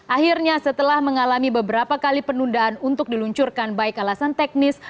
akhirnya setelah mengalami beberapa kali penundaan untuk diluncurkan baik alasan teknis